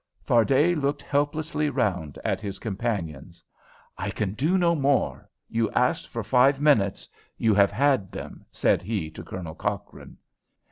Fardet looked helplessly round at his companions. "I can do no more; you asked for five minutes. You have had them," said he to Colonel Cochrane.